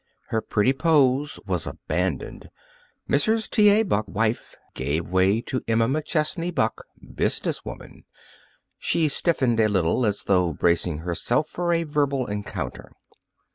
Her pretty pose was abandoned. Mrs. T. A. Buck, wife, gave way to Emma McChesney Buck, business woman. She stiffened a little, as though bracing herself for a verbal encounter.